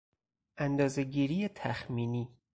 اندازهگیری تخمینی